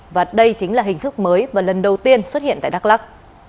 và đây chính là hình thức mới và lần đầu tiên xuất hiện tại đắk lắc